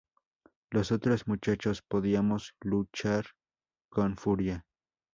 Los otros muchachos podíamos luchar con furia.